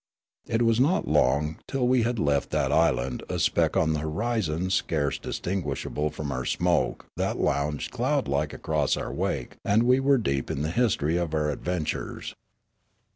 It was not long till we had left that island a speck on the horizon scarce distinguishable from our smoke that lounged cloudlike across our wake, and we were deep in the history of our adventures.